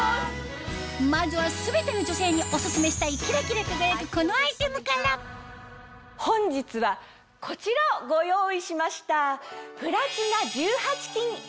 まずは全ての女性にお薦めしたいキラキラ輝くこのアイテムから本日はこちらをご用意しました。